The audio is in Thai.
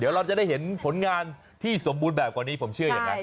เดี๋ยวเราจะได้เห็นผลงานที่สมบูรณ์แบบกว่านี้ผมเชื่ออย่างนั้น